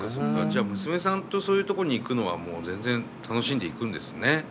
じゃあ娘さんとそういうとこに行くのはもう全然楽しんで行くんですね。